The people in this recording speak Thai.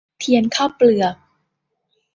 เทียนข้าวเปลือก